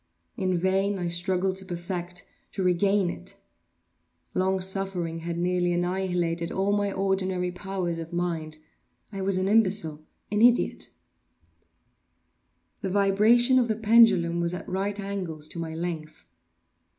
In vain I struggled to perfect—to regain it. Long suffering had nearly annihilated all my ordinary powers of mind. I was an imbecile—an idiot. The vibration of the pendulum was at right angles to my length.